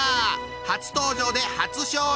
初登場で初勝利！